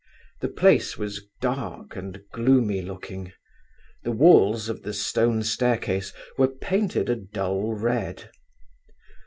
The place was dark and gloomy looking; the walls of the stone staircase were painted a dull red.